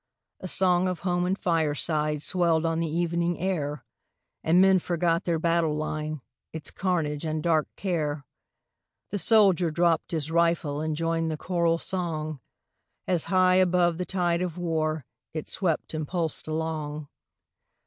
A song of home and fireside Swelled on the evening air, And men forgot their battle line, Its carnage and dark care ; The soldier dropp'd his rifle And joined the choral song, As high above the tide of war It swept and pulsed along.